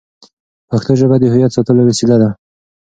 پښتو ژبه د هویت ساتلو وسیله ده.